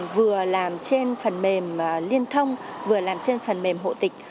vừa làm trên phần mềm liên thông vừa làm trên phần mềm hộ tịch